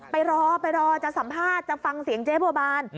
ไปรอไปรอจะสัมภาษณ์จะฟังเสียงเจ๊บัวบาน